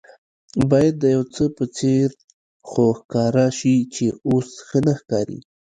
باید د یوڅه په څېر خو ښکاره شي چې اوس ښه نه ښکاري.